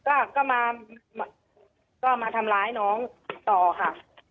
อ่าค่ะก็มาทำร้ายน้องต่อค่ะ